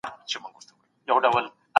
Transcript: زه له سهار راهیسې په پټي کي یم.